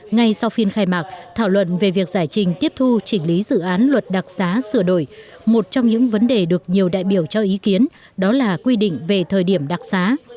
ngay sau phiên khai mạc thảo luận về việc giải trình tiếp thu chỉnh lý dự án luật đặc xá sửa đổi một trong những vấn đề được nhiều đại biểu cho ý kiến đó là quy định về thời điểm đặc xá